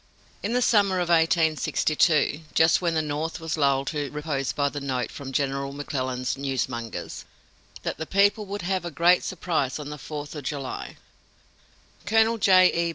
In the summer of 1862, just when the North was lulled to repose by the note from General McClellan's newsmongers, that the people would have a great surprise on the Fourth of July, Colonel J. E.